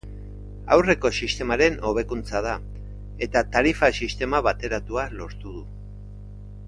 Aurreko sistemaren hobekuntza da, eta tarifa-sistema bateratua lortu du.